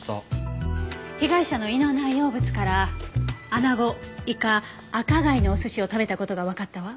被害者の胃の内容物から穴子イカ赤貝のお寿司を食べた事がわかったわ。